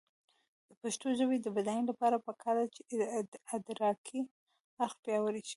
د پښتو ژبې د بډاینې لپاره پکار ده چې ادراکي اړخ پیاوړی شي.